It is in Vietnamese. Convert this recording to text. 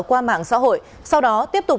qua mảng xã hội sau đó tiếp tục